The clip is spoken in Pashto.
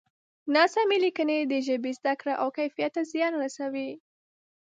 ناسمې لیکنې د ژبې زده کړه او کیفیت ته زیان رسوي.